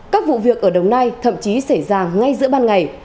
các vụ việc ở đồng nai thậm chí xảy ra ngay giữa ban ngày